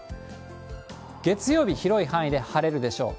月曜日、広い範囲で晴れるでしょう。